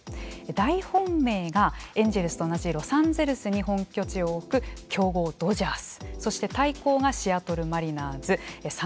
大本命がエンジェルスと同じロサンゼルスに本拠地を置く強豪ドジャース。